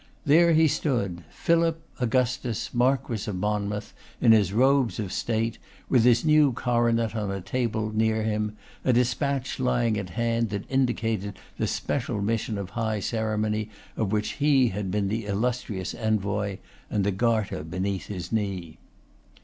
There he stood, Philip Augustus, Marquess of Monmouth, in his robes of state, with his new coronet on a table near him, a despatch lying at hand that indicated the special mission of high ceremony of which he had been the illustrious envoy, and the garter beneath his knee.